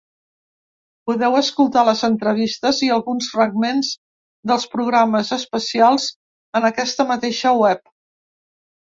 Podeu escoltar les entrevistes i alguns fragments dels programes especials en aquesta mateixa web.